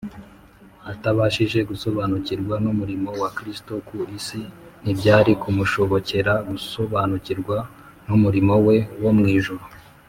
Atabashije gusobanukirwa n’umurimo wa Kristo ku isi, ntibyari kumushobokera gusobanukirwa n’umurimo we wo mw’ijuru.